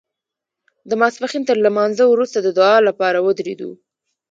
د ماسپښین تر لمانځه وروسته د دعا لپاره ودرېدو.